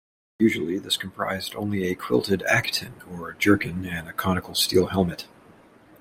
Usually this comprised only a quilted "aketon" or jerkin and a conical steel helmet.